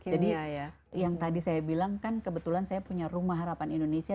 jadi yang tadi saya bilang kan kebetulan saya punya rumah harapan indonesia